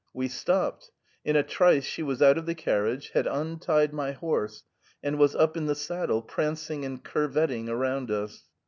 We stopped ; in a trice she was out of the carriage, had untied my horse, and was up in the saddle, prancing and curvetting around us.